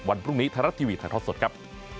วันพรุ่งนี้ไทยรัฐทีวีถ่ายทอดสดครับ